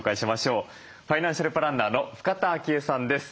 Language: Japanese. ファイナンシャルプランナーの深田晶恵さんです。